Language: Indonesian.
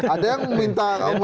ada yang minta kemudian